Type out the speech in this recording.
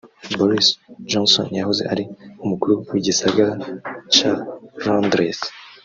Boris Johnson yahoze ari umukuru w'igisagara ca Londres